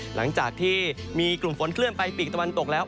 หลังจากที่มีกลุ่มฝนเคลื่อนไปปีกตะวันตกแล้ว